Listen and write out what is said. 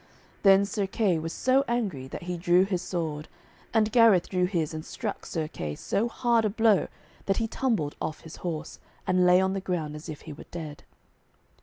Then Sir Kay was so angry that he drew his sword, and Gareth drew his and struck Sir Kay so hard a blow, that he tumbled off his horse, and lay on the ground as if he were dead.